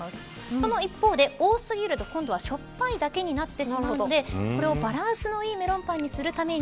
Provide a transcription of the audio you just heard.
その一方で、多過ぎると今度はしょっぱいだけになってしまうのでこれをバランスのいいメロンパンにするために